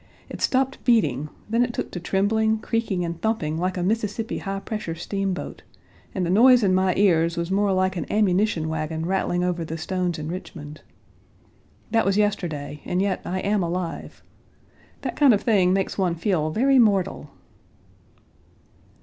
It stopped beating, then it took to trembling, creaking and thumping like a Mississippi high pressure steamboat, and the noise in my ears was more like an ammunition wagon rattling over the stones in Richmond. That was yesterday, and yet I am alive. That kind of thing makes one feel very mortal.